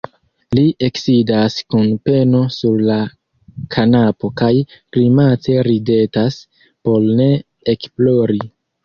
Li eksidas kun peno sur la kanapo kaj grimace ridetas por ne ekplori.